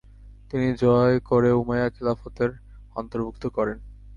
তিনি জয় করে উমাইয়া খিলাফতের অন্তর্ভুক্ত করেন।